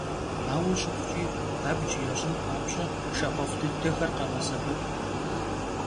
Aue şıxhuç'i, abc yaş'ın papş'e pşşaxhuef' dıdexer khağesebep.